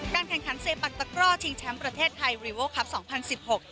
แข่งขันเซปักตะกร่อชิงแชมป์ประเทศไทยรีโวครับสองพันสิบหก